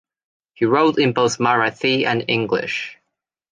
He wrote in both Marathi and English.